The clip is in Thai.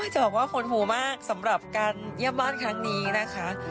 จะบอกว่าหดหูมากสำหรับการเยี่ยมบ้านครั้งนี้นะคะ